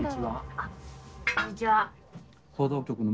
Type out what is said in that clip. あっこんにちは。